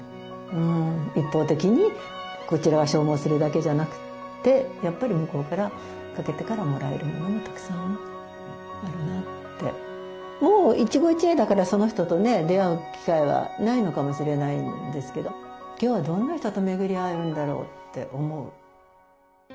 一方的にこちらが消耗するだけじゃなくてやっぱり向こうからもう一期一会だからその人とね出会う機会はないのかもしれないんですけど今日はどんな人と巡り合えるんだろうって思う。